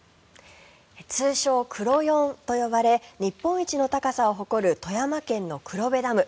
通称くろよんと呼ばれ日本一の高さを誇る富山県の黒部ダム。